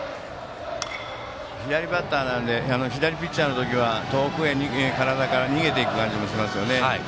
左バッターなので左ピッチャーの時は遠くへ、体から逃げていく感じもしますよね。